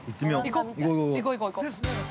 ◆行こう行こう行こう。